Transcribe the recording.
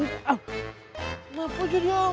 kenapa jadi amal